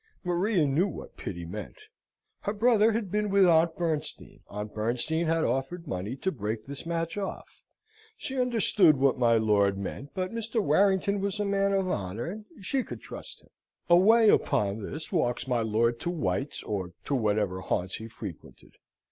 Maria knew what pity meant. Her brother had been with Aunt Bernstein: Aunt Bernstein had offered money to break this match off. She understood what my lord meant, but Mr. Warrington was a man of honour, and she could trust him. Away, upon this, walks my lord to White's, or to whatever haunts he frequented.